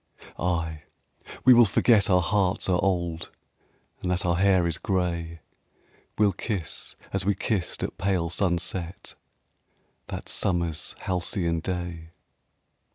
Ay, we will forget our hearts are old, And that our hair is gray. We'll kiss as we kissed at pale sunset That summer's halcyon day.